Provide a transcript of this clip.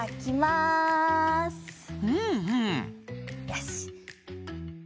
よし。